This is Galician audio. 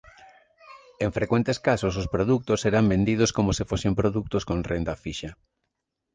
En frecuentes casos os produtos eran vendidos coma se fosen produtos con renda fixa.